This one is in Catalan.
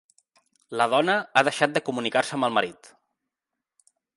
La dona ha deixat de comunicar-se amb el marit